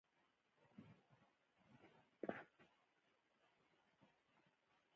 زه له ستونزو څخه تښتم؛ بلکي مقابله ئې کوم.